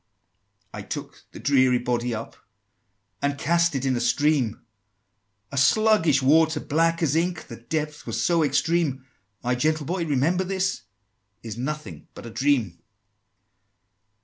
XXI. "I took the dreary body up, And cast it in a stream, A sluggish water, black as ink, The depth was so extreme: My gentle Boy, remember this Is nothing but a dream!"